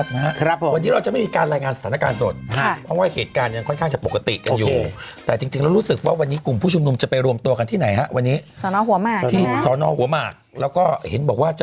หอมนานหอมสมาร์ทแอคทีฟเล็ช